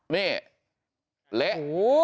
เนี่ยเละ